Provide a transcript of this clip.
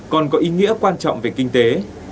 còn có ý nghĩa quan trọng về kinh tế